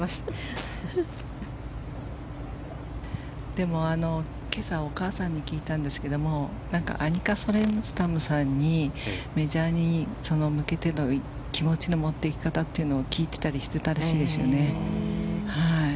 でも今朝、お母さんに聞いたんですけれどもアニカ・ソレンスタムさんにメジャーに向けての気持ちの持っていき方を聞いてたりしてたらしいですね。